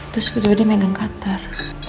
terus tiba tiba dia megang katar